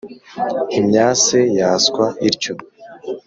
imyase yaswa ityo